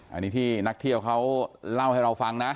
อันนี้ที่นักเที่ยวเขาเล่าให้เราฟังนะ